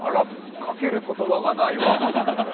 かける言葉がないわ。